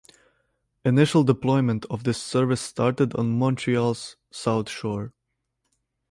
Initial deployment of this service started on Montreal's South Shore.